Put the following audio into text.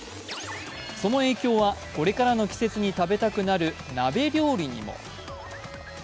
その影響は、これからの季節に食べたくなる鍋料理にも。